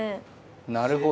なるほど。